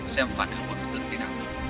xem phản ứng của đối tượng thế nào